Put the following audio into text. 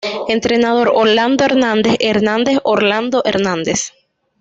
Entrenador: Orlando Hernández Hernández-Orlando Hernández